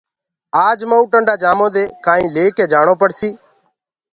آج مئونٚ ٽندآ جآمو دي ڪآئينٚ ليڪي جآڻو پڙسيٚ